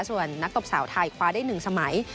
ส่วนนักตบสาวไทยคว้าได้๑สมัย